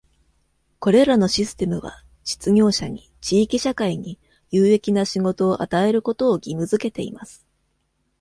これらのシステムは、失業者に地域社会に有益な仕事を与えることを義務付けています。